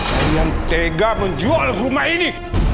kalian tega menjual rumah ini